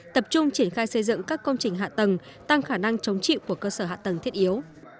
tập trung triển khai xây dựng các công trình hạ tầng tăng khả năng chống chịu của cơ sở hạ tầng thiết yếu